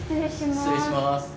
失礼します。